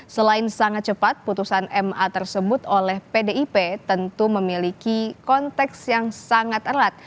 selain sangat cepat putusan ma tersebut oleh pdip tentu memiliki konteks yang sangat erat